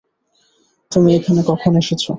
তুমি এখানে কখন এসেছো?